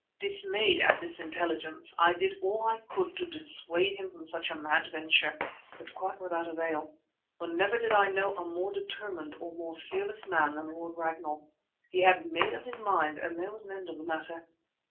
Dismayed at this intelligence, I did all I could to dissuade him from such a mad venture, but quite without avail, for never did I know a more determined or more fearless man than Lord Ragnall. He had made up his mind and there was an end of the matter.